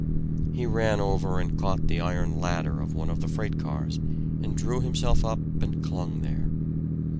He ran over and caught the iron ladder of one of the freight cars and drew himself up and clung there.